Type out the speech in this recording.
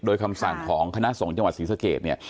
โดยคำสั่งของคณะสงฆ์จังหวัดศรีสะเกดเนี่ย